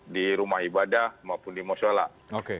di rumah ibadah maupun di masyarakat